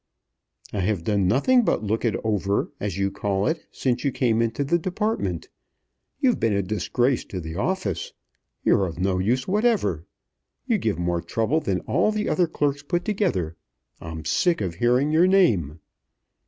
"I have done nothing but look it over, as you call it, since you came into the Department. You've been a disgrace to the office. You're of no use whatsoever. You give more trouble than all the other clerks put together. I'm sick of hearing your name."